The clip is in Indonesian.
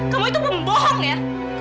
kamu itu pembohongnya